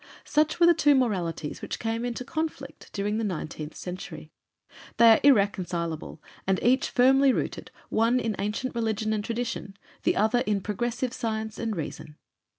Such were the two moralities which came into conflict during the nineteenth century. They are irreconcilable and each firmly rooted, one in ancient religion and tradition, the other in progressive science and reason.